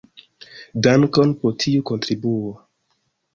Dankon pro tiu kontribuo.